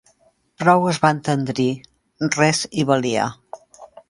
Prou es va entendrir: res hi valia.